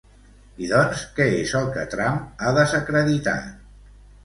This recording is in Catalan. I doncs, què és el que Trump ha desacreditat?